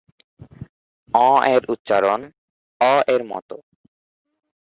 য় এর উচ্চারন অ এর মত।